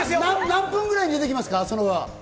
何分くらい出てきますか？